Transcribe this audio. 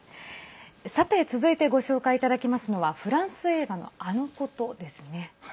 さて、続いてご紹介いただきますのはフランス映画の「あのこと」ですね。